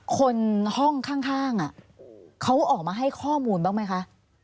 คนห้องข้างเขาออกมาให้ข้อมูลบ้างไหมคะ